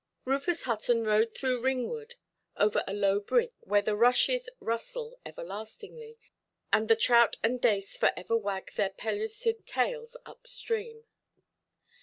Rufus Hutton rode through Ringwood over the low bridge where the rushes rustle everlastingly, and the trout and dace for ever wag their pellucid tails up stream.